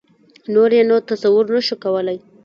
نور یې نو تصور نه شو کولای.